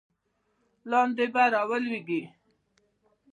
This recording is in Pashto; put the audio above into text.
لاندې به را ولویږې.